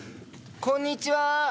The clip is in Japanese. こんにちは！